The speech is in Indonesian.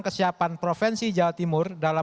kesiapan provinsi jawa timur dalam